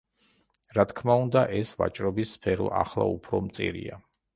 რა თქმა უნდა ეს ვაჭრობის სფერო ახლა უფრო მწირია.